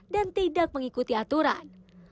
dan tidak mengikuti aturan